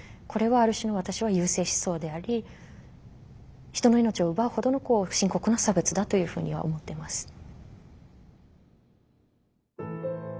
これはある種の私は優生思想であり人の命を奪うほどの深刻な差別だというふうには思ってます。